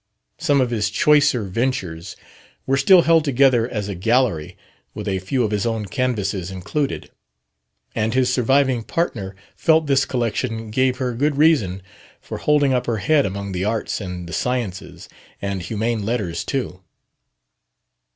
Some of his choicer ventures were still held together as a "gallery," with a few of his own canvases included; and his surviving partner felt this collection gave her good reason for holding up her head among the arts, and the sciences, and humane letters too.